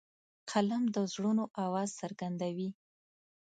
قلم د زړونو آواز څرګندوي